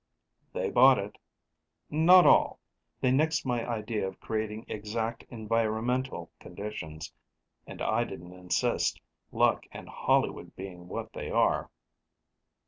They bought it. Not all they nixed my idea of creating exact environmental conditions; and I didn't insist, luck and Hollywood being what they are.